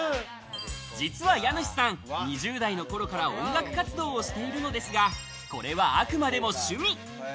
実は家主さん、２０代の頃から音楽活動をしているのですが、これはあくまでも趣味。